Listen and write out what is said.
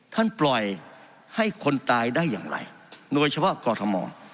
ปล่อยให้คนตายได้อย่างไรโดยเฉพาะกอทม